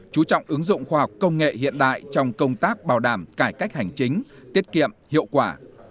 chú trọng ứng dụng khoa học công nghệ hiện đại trong công tác bảo đảm cải cách hành chính tiết kiệm hiệu quả